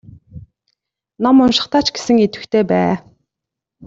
Ном уншихдаа ч гэсэн идэвхтэй бай.